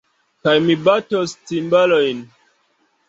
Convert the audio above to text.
Kaj mi batos timbalojn.